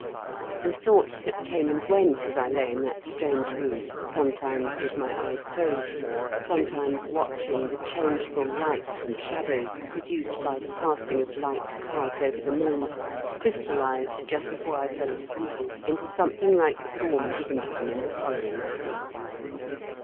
The thoughts that came and went as I lay in that strange room, sometimes with my eyes closed, some 86 IN KENT WITH CHABLE8 DICKENS. times watching the changeful lights and shadows produced by the passing of light clouds over the moon, crystallised just before I fell asleep into something like the form given to them in the following tale.